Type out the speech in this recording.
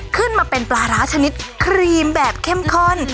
ขึ้นมาเป็นปลาร้าชนิดครีมแบบเข้มข้น